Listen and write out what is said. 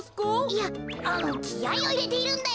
いやあのきあいをいれているんだよ。